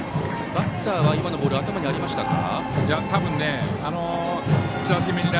バッターは今のボール頭にありましたか？